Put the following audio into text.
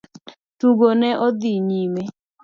Tugo ne odhi nyime.